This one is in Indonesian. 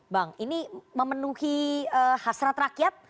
bang ini memenuhi hasrat rakyat